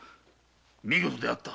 見事であった。